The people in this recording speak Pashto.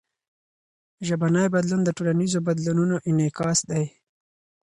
ژبنی بدلون د ټولنیزو بدلونونو انعکاس دئ.